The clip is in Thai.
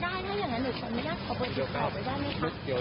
พี่พร้อมจะเปิดใจอีกครั้งหนึ่งได้มั้ยคะ